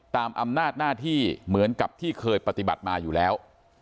ตามอำนาจหน้าที่เหมือนกับที่เคยปฏิบัติมาอยู่แล้ว